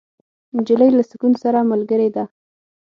نجلۍ له سکون سره ملګرې ده.